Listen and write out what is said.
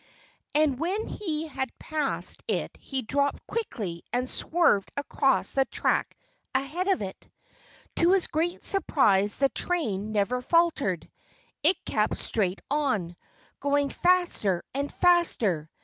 And when he had passed it he dropped quickly and swerved across the track ahead of it. To his great surprise the train never faltered. It kept straight on, going faster and faster.